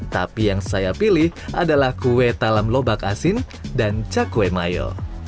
tapi yang saya pilih adalah kue talam lobak asin dan cakwe mayo